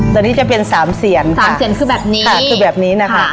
ตัวนี้จะเป็นสามเสียงค่ะสามเสียงคือแบบนี้ค่ะคือแบบนี้นะคะค่ะ